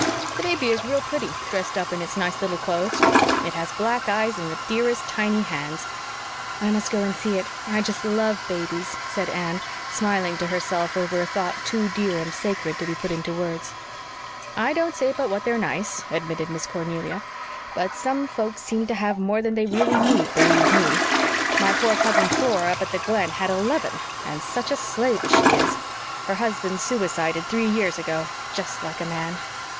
The baby is real pretty, dressed up in its nice little clothes. It has black eyes and the dearest, tiny hands." "I must go and see it. I just love babies," said Anne, smiling to herself over a thought too dear and sacred to be put into words. "I don't say but what they're nice," admitted Miss Cornelia. "But some folks seem to have more than they really need, believe ME. My poor cousin Flora up at the Glen had eleven, and such a slave as she is! Her husband suicided three years ago. Just like a man!"